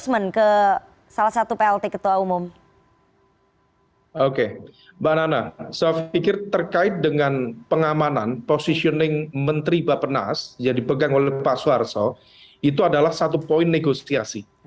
mbak nana saya pikir terkait dengan pengamanan positioning menteri bapak nas yang dipegang oleh pak suharto itu adalah satu poin negosiasi